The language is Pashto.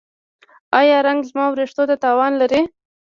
ایا رنګ زما ویښتو ته تاوان لري؟